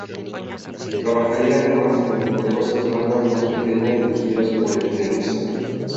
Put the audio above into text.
Trabajaría además en las numerosas bandas más pequeñas dirigidas por el pianista.